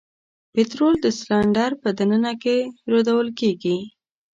پطرول د سلنډر په د ننه کې رودل کیږي.